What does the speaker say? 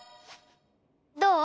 どう？